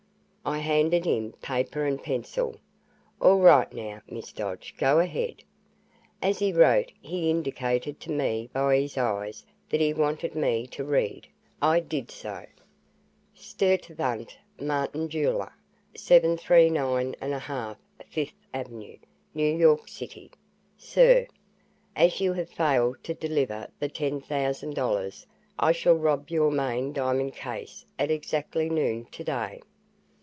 I handed him paper and pencil. "All right now, Miss Dodge, go ahead." As he wrote, he indicated to me by his eyes that he wanted me to read. I did so: "Sturtevant Martin, Jeweler, "739 1/2 Fifth Ave., "New York City. "SIR: "As you have failed to deliver the $10,000, I shall rob your main diamond case at exactly noon today."